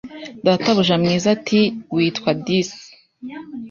Databuja mwiza ati witwa Dis